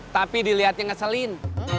tapi dilihatnya ngeselin